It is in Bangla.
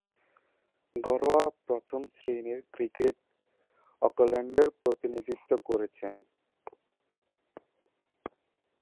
ঘরোয়া প্রথম-শ্রেণীর ক্রিকেটে অকল্যান্ডের প্রতিনিধিত্ব করেছেন।